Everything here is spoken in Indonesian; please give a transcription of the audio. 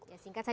ya singkat saja